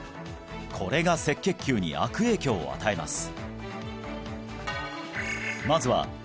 これが赤血球に悪影響を与えます